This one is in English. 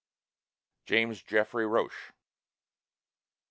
JAMES JEFFREY ROCHE.